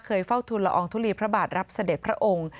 เฝ้าทุนละอองทุลีพระบาทรับเสด็จพระองค์